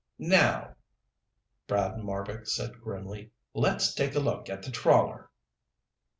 "Now," Brad Marbek said grimly, "let's take a look at the trawler."